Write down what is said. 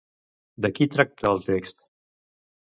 De qui tracta el text?